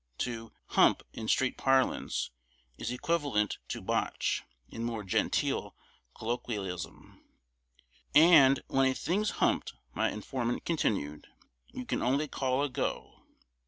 To 'hump,' in street parlance, is equivalent to 'botch,' in more genteel colloquialism. "And when a thing's humped," my informant continued, "you can only 'call a go.